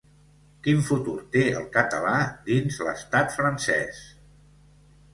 Quin futur té el català dins l’estat francès?